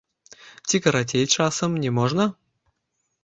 Ці карацей, часам, не можна?